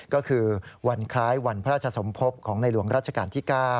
ก็คือวันคล้ายวันพระราชสมภพของในหลวงรัชกาลที่๙